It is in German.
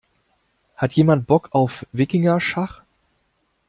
Hat jemand Bock auf Wikingerschach?